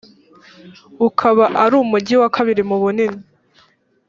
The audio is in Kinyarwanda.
ukaba ari umugi wa kabiri mu bunini